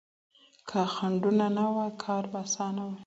که خنډونه نه واي کار به اسانه و.